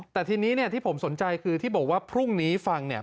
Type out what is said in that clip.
แต่ทีนี้เนี่ยที่ผมสนใจคือที่บอกว่าพรุ่งนี้ฟังเนี่ย